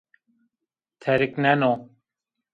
Terikneno